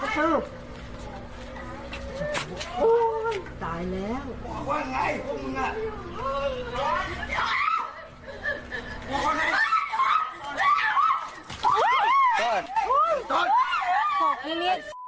แม่มึงก็เลยไอ้เอ้ย